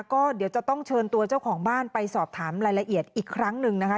ก็เดี๋ยวจะต้องเชิญตัวเจ้าของบ้านไปสอบถามรายละเอียดอีกครั้งหนึ่งนะคะ